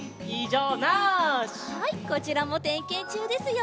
はいこちらもてんけんちゅうですよ！